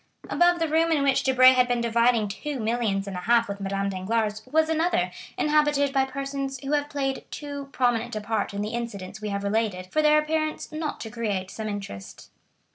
Above the room in which Debray had been dividing two millions and a half with Madame Danglars was another, inhabited by persons who have played too prominent a part in the incidents we have related for their appearance not to create some interest.